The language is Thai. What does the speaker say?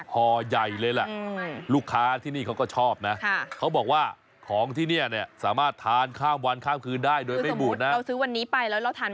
คือสมมติเราซื้อวันนี้ไปแล้วเราทานไม่หมดเราเก็บแช๊ตูเย็นได้